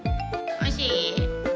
おいしい？